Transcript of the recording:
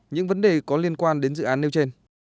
những vấn đề có liên quan đến dự án nêu trên